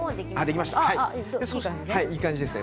いい感じですね。